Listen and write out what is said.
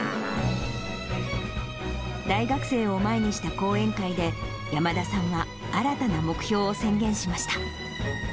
大学生を前にした講演会で、山田さんは新たな目標を宣言しました。